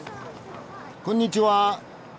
こんにちは。